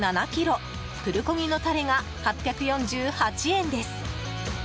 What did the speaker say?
プルコギのタレが８４８円です。